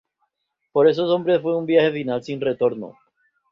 Para esos hombres fue un viaje final sin retorno.